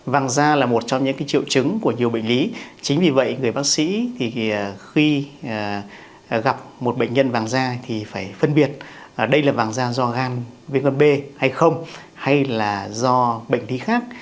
vàng da là một trong những triệu chứng của nhiều bệnh lý chính vì vậy người bác sĩ thì khi gặp một bệnh nhân vàng da thì phải phân biệt đây là vàng da do gan viêm gan b hay không hay là do bệnh lý khác